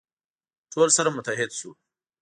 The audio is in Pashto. ټول سره متحد سو.